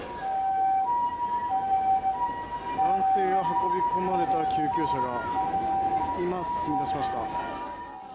男性が運び込まれた救急車が今、進み出しました。